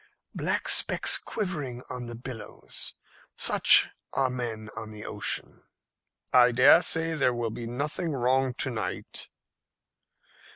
"Black specks quivering on the billows such are men on the ocean." "I dare say there will be nothing wrong to night."